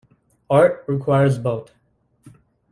Art requires both.